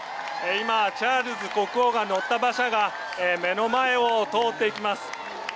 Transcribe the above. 今、チャールズ国王が乗った馬車が目の前を通っていきます。